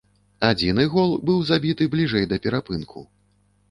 Адзіны гол быў забіты бліжэй да перапынку.